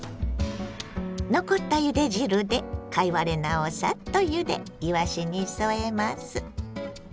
残ったゆで汁で貝割れ菜をサッとゆでいわしに添えます。